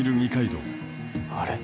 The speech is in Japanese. あれ？